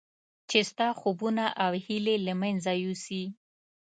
چې ستا خوبونه او هیلې له منځه یوسي.